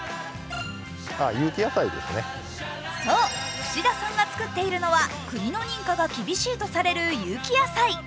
伏田さんが作っているのは国の認可が厳しいとされる有機野菜。